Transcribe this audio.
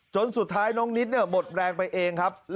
จนสุดท้ายน้องนิดหมดแรงไปเองครับ